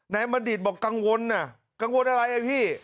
ไหนมาดิดบอกกังวลน่ะกังวลอะไรไอ้พี่